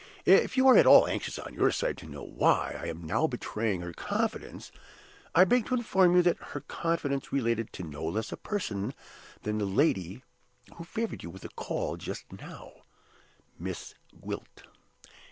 If you are at all anxious on your side to know why I am now betraying her confidence, I beg to inform you that her confidence related to no less a person than the lady who favored you with a call just now Miss Gwilt."